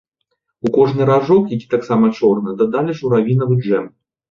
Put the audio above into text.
У кожны ражок, які таксама чорны, дадалі журавінавы джэм.